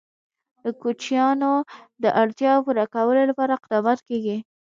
د کوچیانو د اړتیاوو پوره کولو لپاره اقدامات کېږي.